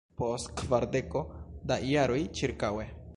Post kvardeko da jaroj ĉirkaŭe.